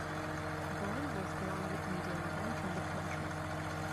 BoI was the only Indian bank in the country.